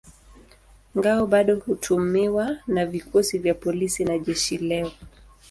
Ngao bado hutumiwa na vikosi vya polisi na jeshi leo.